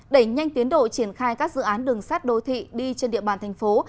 đẩy nhanh tiến độ triển khai các dự án đường sát đô thị đi trên địa bàn thành phố